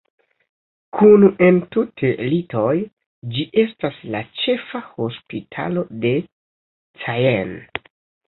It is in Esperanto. Kun entute litoj, ĝi estas la ĉefa hospitalo de Caen.